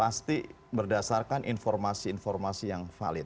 jadi berdasarkan informasi informasi yang valid